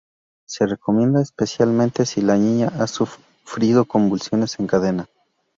Se recomienda especialmente si la niña ha sufrido convulsiones en cadena.